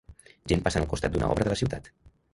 Gent passant al costat d'una obra de la ciutat